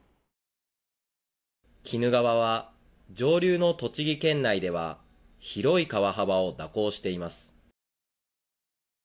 鬼怒川は上流の栃木県内では広い川幅を蛇行しています。